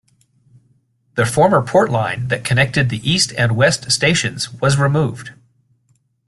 The former Port Line that connected the east and west stations was removed.